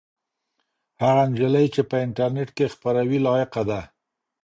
هغه نجلۍ چې په انټرنيټ کې خپروي لایقه ده.